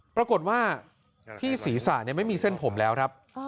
ปรากฏว่าที่ศีรษะไม่มีเส้นผมแล้วครับ